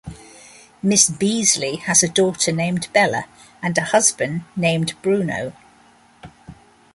Miss Beazly has a daughter named Bella and a husband named Bruno.